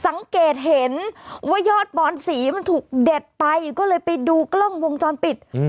สังเกตเห็นว่ายอดบอนสีมันถูกเด็ดไปก็เลยไปดูกล้องวงจรปิด